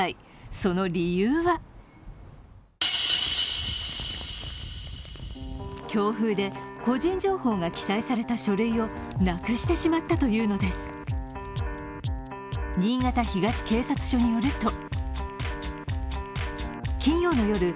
その理由は強風で個人情報が記載された書類をなくしてしまったというのです。